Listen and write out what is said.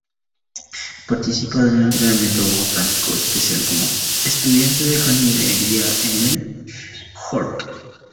Participa de un entrenamiento botánico especial como "estudiante de jardinería en el "Hort.